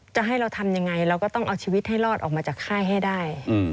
จะให้เราทำยังไงเราก็ต้องเอาชีวิตให้รอดออกมาจากค่ายให้ได้